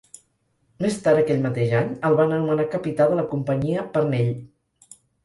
Més tard aquell mateix any el van anomenar capità de la companyia Parnell.